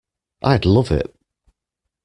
I'd love it.